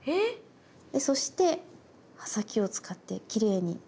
でそして刃先を使ってきれいにつなげます。